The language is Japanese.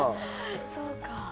そうか。